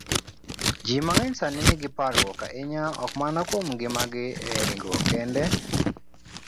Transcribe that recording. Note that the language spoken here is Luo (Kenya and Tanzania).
Ji mang'eny sani nigi parruok ahinya, ok mana kuom ngimagi e ringruok kende,